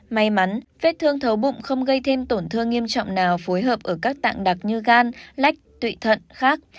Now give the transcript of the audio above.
may mắn vết thương thấu bụng không gây thêm tổn thương nghiêm trọng nào phối hợp ở các tạng đặc như gan lách tụy thận khác